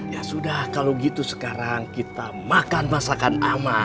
ya sudah kalau gitu sekarang kita makan masakan aman